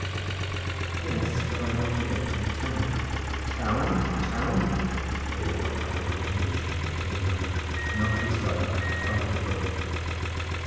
"Yes, but I want to get to the town." "Town, town! Oh, I have no English," said the man; and off he started like a frightened bullock.